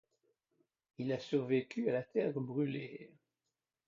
Il a survécu à la Terre Brûlée.